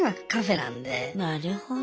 なるほど。